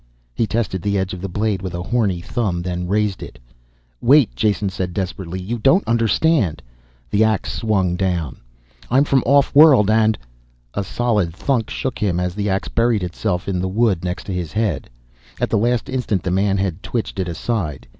He tested the edge of the blade with a horny thumb, then raised it. "Wait!" Jason said desperately. "You don't understand." The ax swung down. "I'm from off world and " A solid thunk shook him as the ax buried itself in the wood next to his head. At the last instant the man had twitched it aside.